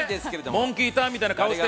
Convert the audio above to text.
モンキーターンみたいな顔して！